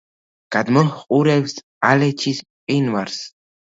გადმოჰყურებს ალეჩის მყინვარს.